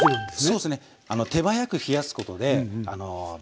そうっすね。